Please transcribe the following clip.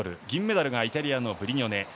銀メダルがイタリアのブリニョネ。